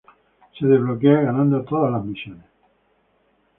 Se desbloquea ganando todas las misiones.